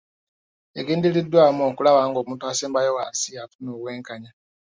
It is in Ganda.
Egendereddwamu okulaba ng'omuntu asembayo wansi afuna obwenkanya.